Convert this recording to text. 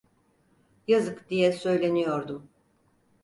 "Yazık!" diye söyleniyordum.